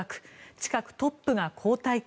近くトップが交代か。